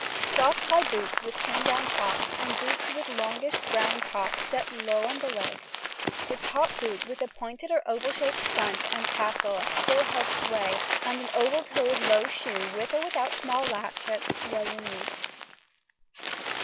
Soft high boots with turn down tops, and boots with longish brown tops set low on the leg. The top boot with the pointed or oval shaped front and tassel still held sway, and an oval toed low shoe with or without small latchets was in use.